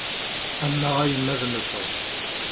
Annaɣ a yemma ad mmteɣ.